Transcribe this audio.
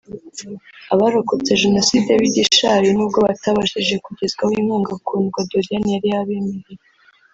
Abarokotse Jenoside b’i Gishari nubwo batabashije kugezwaho inkunga Kundwa Doriane yari yabemereye